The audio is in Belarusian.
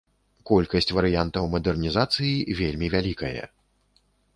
Колькасць варыянтаў мадэрнізацыі вельмі вялікае.